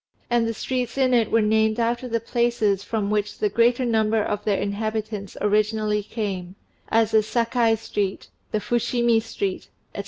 And the streets in it were named after the places from which the greater number of their inhabitants originally came, as the "Sakai Street," the "Fushimi Street," &c.